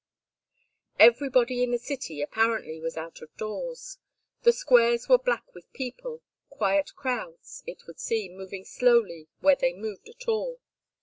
Everybody in the city, apparently, was out of doors. The squares were black with people, quiet crowds, it would seem, moving slowly where they moved at all.